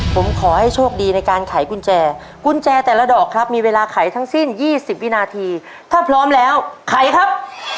ผมขอให้โชคดีในการไขกุญแจกุญแจแต่ละดอกครับมีเวลาไขทั้งสิ้น๒๐วินาทีถ้าพร้อมแล้วไขครับ